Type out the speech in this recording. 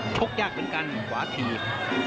ชกยากเหมือนกันขวาถีบ